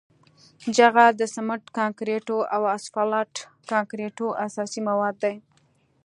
جغل د سمنټ کانکریټو او اسفالټ کانکریټو اساسي مواد دي